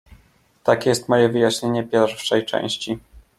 "Takie jest moje wyjaśnienie pierwszej części."